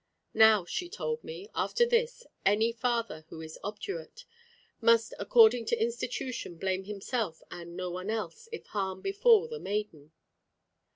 Now, she told me, after this, any father who is obdurate, must according to institution blame himself and no one else, if harm befall the maiden.